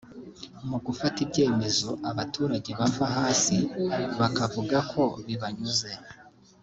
mu gufata ibyemezo abaturage bava hasi bakavuga ko bibanyuze